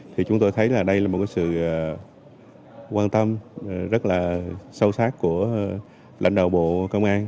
thì chúng tôi thấy là đây là một sự quan tâm rất là sâu sắc của lãnh đạo bộ công an